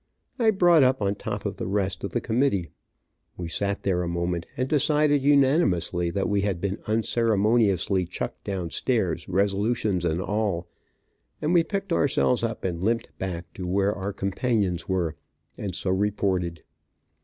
I brought up on top of the rest of the committee. We sat there a moment, and decided, unanimously, that we had been unceremoniously chucked down stairs, resolutions and all, and we picked ourselves up and limped back to where our companions were, and so reported.